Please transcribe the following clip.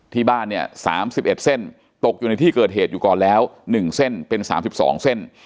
ที่บ้านเนี่ย๓๑เส้นตกอยู่ในที่เกิดเหตุอยู่ก่อนแล้ว๑เส้นเป็น๓๒เส้น